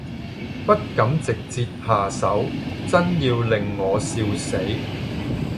不敢直捷下手，眞要令我笑死。